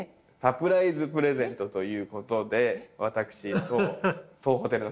サプライズプレゼントという事で私。